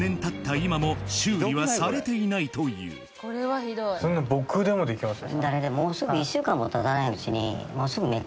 今も修理はされていないというそんなの僕でもできますよ